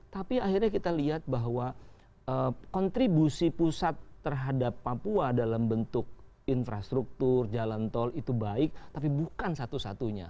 tapi akhirnya kita lihat bahwa kontribusi pusat terhadap papua dalam bentuk infrastruktur jalan tol itu baik tapi bukan satu satunya